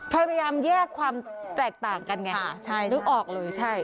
พยายามแยกความแตกต่างกันไงนึกออกเลยใช่